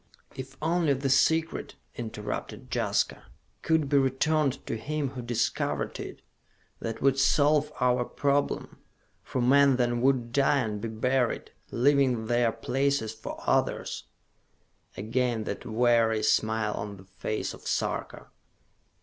"If only the Secret," interrupted Jaska, "could be returned to him who discovered it! That would solve our problem, for men then would die and be buried, leaving their places for others." Again that weary smile on the face of Sarka.